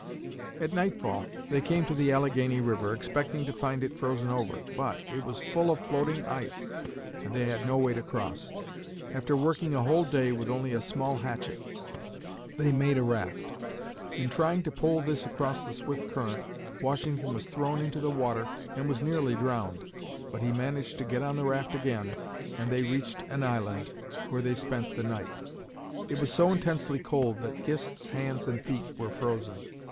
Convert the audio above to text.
At nightfall they came to the Allegheny River, expecting to find it frozen over, but it was full of floating ice and they had no way to cross. After working a whole day, with only a small hatchet, they made a raft. In trying to pole this across the swift current, Washington was thrown into the water and was nearly drowned, but he managed to get on the raft again and they reached an island, where they spent the night. It was so intensely cold that Gist's hands and feet were frozen.